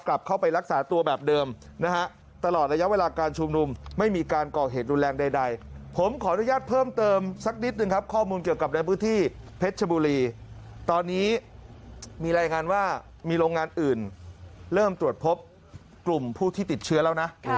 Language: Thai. กลับเข้าไปรักษาตัวแบบเดิมนะฮะตลอดระยะเวลาการชูมรุมไม่มีการกอกเหตุรแรงใด